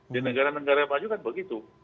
di negara negara maju kan begitu